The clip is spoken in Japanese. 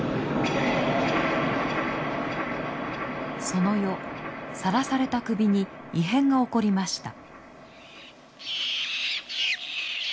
その夜さらされた首に異変が起こりました。